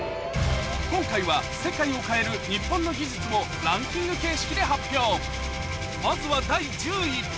今回は世界を変える日本の技術をランキング形式で発表